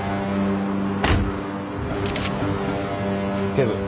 警部。